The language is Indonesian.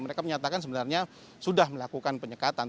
mereka menyatakan sebenarnya sudah melakukan penyekatan